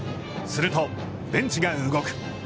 すると、ベンチが動く。